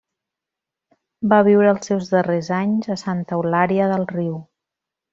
Va viure els seus darrers anys a Santa Eulària del Riu.